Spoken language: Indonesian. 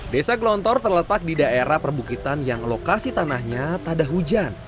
desa glontor terletak di daerah perbukitan yang lokasi tanahnya tak ada hujan